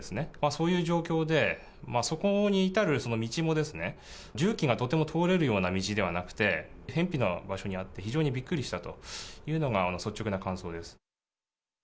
そういう状況で、そこに至る道も、重機がとても通れるような道ではなくて、へんぴな場所にあって、非常にびっくりしたというのが率直な感想です。